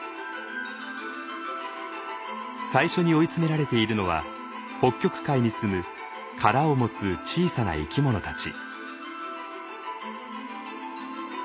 最初に追い詰められているのは北極海にすむ殻を持つ小さな生き物たち。